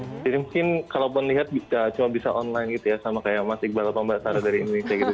jadi mungkin kalau pun lihat cuma bisa online gitu ya sama kayak mas iqbal atau mbak tara dari indonesia gitu